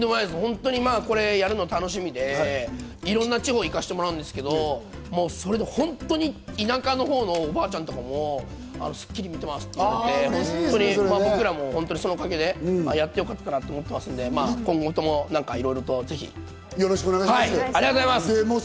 これやるの楽しみで、いろんな地方を行かせてもらうんですけど、それで田舎のほうのおばちゃんとかも、『スッキリ』見ていますとか言って、僕らもそのおかげでやってよかったなと思っていますんで、よろしくお願いします。